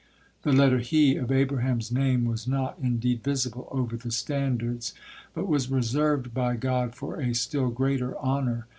The letter He of Abraham's name was not indeed visible over the standards, but was reserved by God for a still greater honor.